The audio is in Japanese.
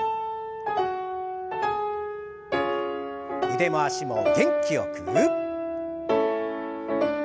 腕も脚も元気よく。